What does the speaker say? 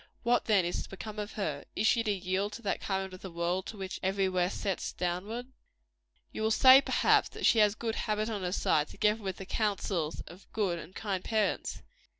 What, then, is to become of her? Is she to yield to that current of the world which every where sets downward? You will say, perhaps, that she has good habit on her side, together with the counsels of good and kind parents.